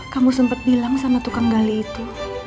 kamu sempat bilang sama tukang gali itu